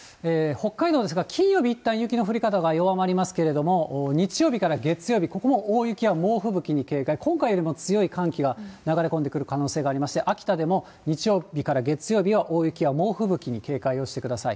北海道ですが、金曜日、いったん雪の降り方が弱まりますけれども、日曜日から月曜日、ここも大雪や猛吹雪に警戒、今回よりも強い寒気が流れ込んでくる可能性がありまして、秋田でも日曜日から月曜日は大雪や猛吹雪に警戒をしてください。